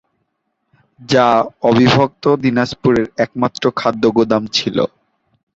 যা অবিভক্ত দিনাজপুরের একমাত্র খাদ্য গুদাম ছিল।